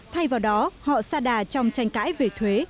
thay vào đó họ xa đà trong tranh cãi về thuế